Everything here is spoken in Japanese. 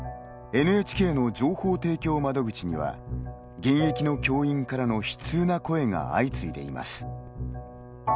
ＮＨＫの情報提供窓口には現役の教員からの悲痛な声が相次いでいます。